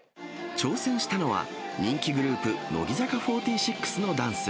挑戦したのは、人気グループ、乃木坂４６のダンス。